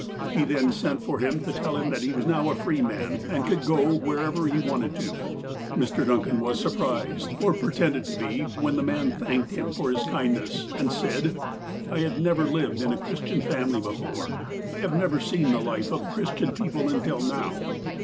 He then sent for him to tell him that he was now a free man, and could go wherever he wanted to. Mr. Duncan was surprised, or pretended to be, when the man thanked him for his kindness, and said : ''I have never lived in a Christian family before. I have never seen the life of Christian people until now.